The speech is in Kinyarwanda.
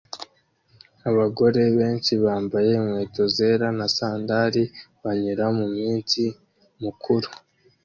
Abagore benshi bambaye inkweto zera na sandali banyura mumunsi mukuru